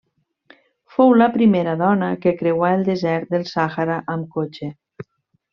Fou la primera dona que creuà el desert del Sàhara amb cotxe.